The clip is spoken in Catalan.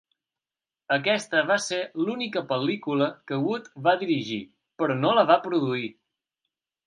Aquesta va ser l'única pel·lícula que Wood va dirigir, però no la va produir.